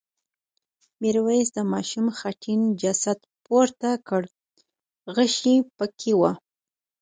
میرويس د ماشوم خټین جسد پورته کړ غشی پکې و.